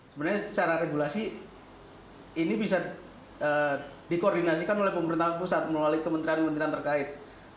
sebenarnya secara regulasi ini bisa dikoordinasikan oleh pemerintah pusat melalui kementerian kementerian terkait